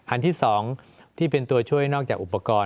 อันที่๒ที่เป็นตัวช่วยนอกจากอุปกรณ์